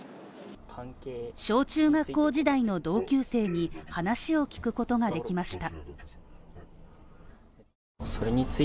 小中学校時代の同級生に話を聞くことができました。